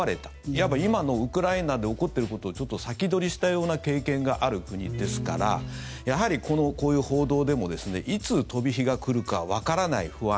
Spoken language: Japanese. いわば、今のウクライナで起こっていることをちょっと先取りしたような経験がある国ですからやはり、こういう報道でもいつ飛び火が来るかわからない不安